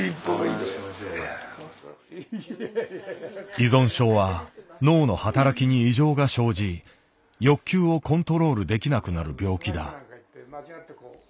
依存症は脳の働きに異常が生じ欲求をコントロールできなくなる病気だ。